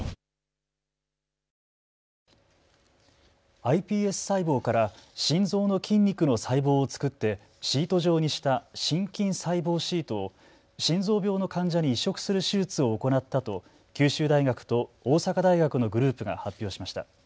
ｉＰＳ細胞から心臓の筋肉の細胞を作ってシート状にした心筋細胞シートを心臓病の患者に移植する手術を行ったと九州大学と大阪大学のグループが発表しました。